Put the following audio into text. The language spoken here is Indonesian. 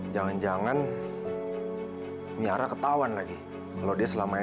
jangan jangan biarkan papa meninggalkan kami